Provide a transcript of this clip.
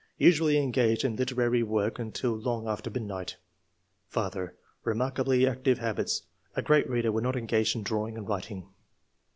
Usually engaged in literary work until long after midnight. ^^ Father — Eemarkably active habits ; a great reader when not engaged in drawing and writing."